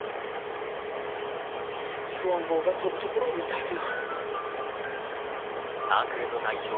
スワン号が飛ぶところを見たいとよ。